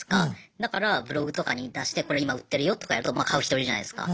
だからブログとかに出してこれ今売ってるよとかやるとまあ買う人いるじゃないすか。